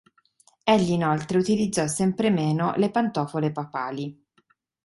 Egli inoltre utilizzò sempre meno le pantofole papali.